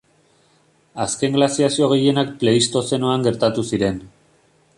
Azken glaziazio gehienak Pleistozenoan gertatu ziren.